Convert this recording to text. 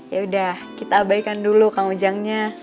yaudah kita abaikan dulu kang ujangnya